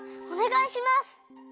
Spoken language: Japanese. おねがいします！